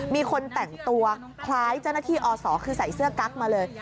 มีคนแต่งตัวคล้ายเจ้าหน้าที่อศคือใส่เสื้อกั๊กมาเลย